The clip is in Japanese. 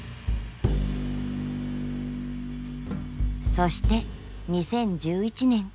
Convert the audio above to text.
そして２０１１年。